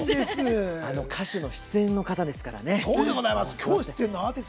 歌手の出演の方ですからね。